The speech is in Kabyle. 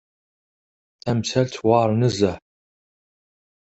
Tamsalt-a tewεer nezzeh.